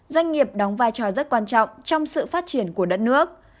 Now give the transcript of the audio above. doanh nghiệp đóng vai trò rất quan trọng trong sự phát triển của đất nước